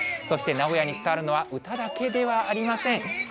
そして名古屋に伝わるのは歌だけではありません。